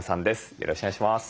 よろしくお願いします。